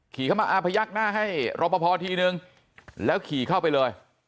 เข้ามาพยักหน้าให้รอปภทีนึงแล้วขี่เข้าไปเลย